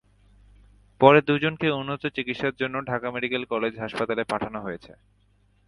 পরে দুজনকে উন্নত চিকিৎসার জন্য ঢাকা মেডিকেল কলেজ হাসপাতালে পাঠানো হয়েছে।